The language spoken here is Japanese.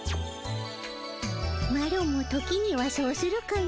マロも時にはそうするかの。